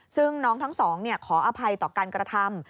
ซึ่งน้องทั้งสองขออภัยต่อการกระทำ